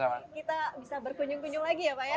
kita bisa berkunjung kunjung lagi ya pak ya